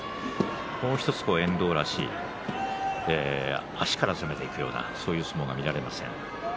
もう１つ遠藤らしい足から攻めるという相撲が見られません。